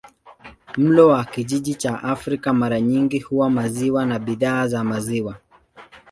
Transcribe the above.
Mlo wa kijiji cha Afrika mara nyingi huwa maziwa na bidhaa za maziwa.